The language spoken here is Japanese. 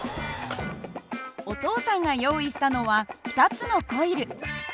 お父さんが用意したのは２つのコイル。